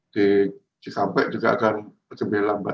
di cikampek juga akan lebih lambat